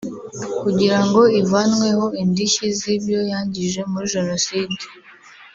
kugira ngo ivanwemo indishyi z’ibyo yangije muri Jenoside